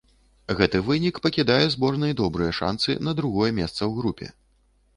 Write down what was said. Гэты вынік пакідае зборнай добрыя шанцы на другое месца ў групе.